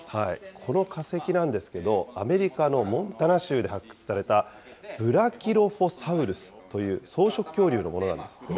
この化石なんですけど、アメリカのモンタナ州で発掘された、ブラキロフォサウルスという草食恐竜のものなんですって。